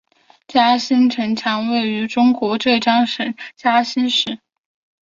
嘉兴城墙位于中国浙江省嘉兴市。